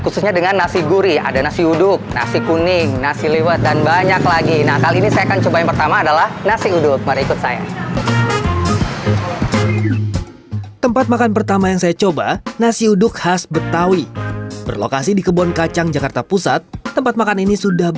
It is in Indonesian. sian and indonesia